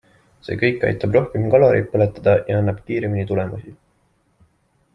See kõik aitab rohkem kaloreid põletada ja annab kiiremini tulemusi.